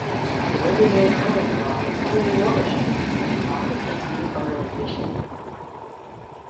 The Windermere Island Club is under new ownership in the process of revitalisation.